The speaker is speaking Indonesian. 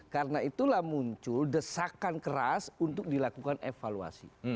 karena itulah muncul desakan keras untuk dilakukan evaluasi